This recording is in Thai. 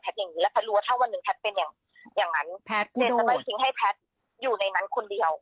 แพทย์กูโดดเจนก็ไม่ทิ้งให้แพทย์อยู่ในนั้นคนเดียว